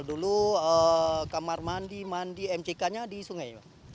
dulu kamar mandi mandi mck nya di sungai